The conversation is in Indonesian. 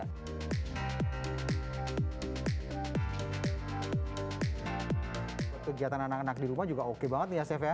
kegiatan anak anak di rumah juga oke banget nih ya chef ya